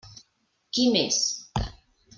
Qui més?